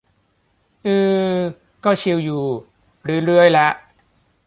อือ ก็ชิลอยู่ เรื่อยเรื่อยแหละ